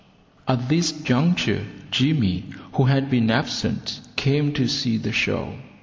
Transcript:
At this juncture Jimmy, who had been absent, came to see the show.